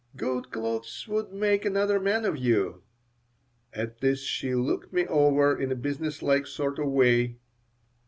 Good clothes would make another man of you." At this she looked me over in a business like sort of way.